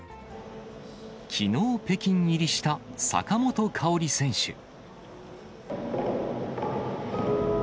きのう北京入りした坂本花織選手。